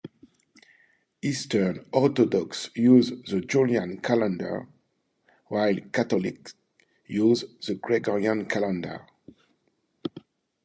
Eastern Orthodox use the Julian calendar while Catholics use the Gregorian calendar.